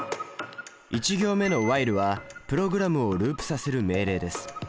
１行目の「ｗｈｉｌｅ」はプログラムをループさせる命令です。